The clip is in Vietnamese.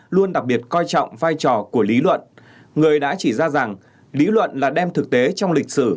luôn đặc biệt coi trọng vai trò của lý luận người đã chỉ ra rằng lý luận là đem thực tế trong lịch sử